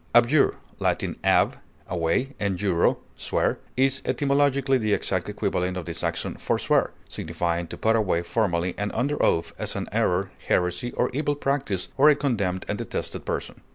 Abjure (L. ab, away, and juro, swear) is etymologically the exact equivalent of the Saxon forswear, signifying to put away formally and under oath, as an error, heresy, or evil practise, or a condemned and detested person.